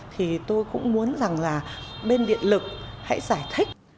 thì tôi cũng muốn rằng là bên điện lực hãy giải thích